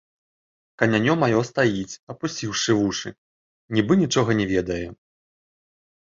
Канянё маё стаіць, апусціўшы вушы, нібы нічога не ведае.